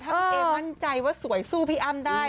ถ้าพี่เอมั่นใจว่าสวยสู้พี่อ้ำได้